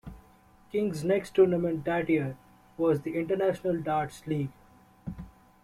King's next tournament that year was the International Darts League.